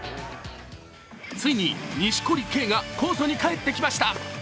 ついに錦織圭がコートに帰ってきました。